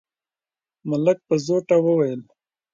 ملک په زوټه وويل: